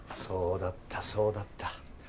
そうだったそうだった。